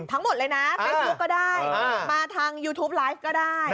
ทั้งหมดเลยนะเฟซบุ๊คก็ได้มาทางยูทูปไลฟ์ก็ได้